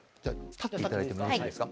立っていただいてよろしいですか。